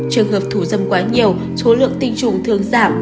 trường hợp thù dâm quá nhiều số lượng tình trụng thường giảm